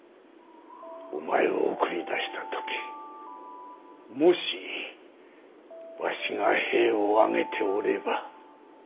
お前を送り出した時もしわしが兵を挙げておれば。